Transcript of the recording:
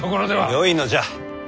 よいのじゃ。